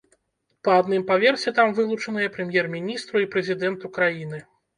Па адным паверсе там вылучаныя прэм'ер-міністру і прэзідэнту краіны.